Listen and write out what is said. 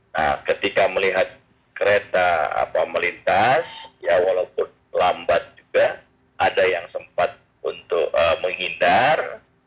nah ketika melihat kereta melintas ya walaupun lambat juga ada yang sempat untuk menghindar